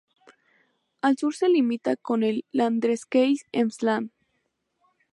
Al sur se limita con el Landkreis Emsland.